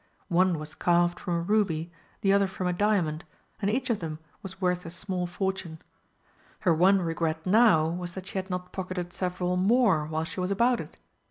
One was carved from a ruby, the other from a diamond, and each of them was worth a small fortune. Her one regret now was that she had not pocketed several more while she was about it.